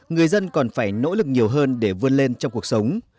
người dân còn phải nỗ lực nhiều hơn để vươn lên trong cuộc sống